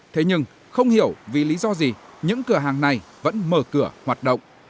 thế nhưng không hiểu vì lý do gì những cửa hàng này vẫn mở cửa hoạt động